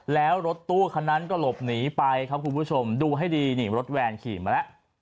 แล้วรถตู้คันนั้นก็หลบหนีไปครับคุณผู้ชมดูให้ดีนี่รถแวนขี่มาแล้ว